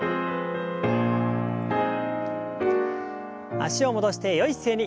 脚を戻してよい姿勢に。